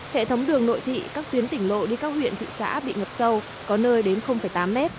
hệ thống đường nội thị các tuyến tỉnh lộ đi các huyện thị xã bị ngập sâu có nơi đến tám mét